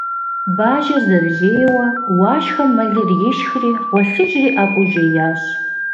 Бажэр зэрыжейуэ, Уашхэм мэлыр ишхри гъуэлъыжри ӀэфӀу жеящ.